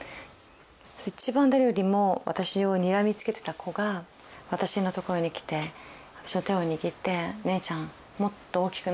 一番誰よりも私をにらみつけてた子が私のところに来て私の手を握って「ねえちゃんもっと大きくなってね」